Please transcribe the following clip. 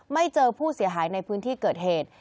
ไม่เจอผู้เสียหายในพื้นที่เกิดเหตุ